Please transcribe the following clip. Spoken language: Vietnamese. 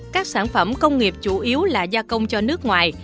các sản phẩm công nghiệp chủ yếu là gia công cho nước ngoài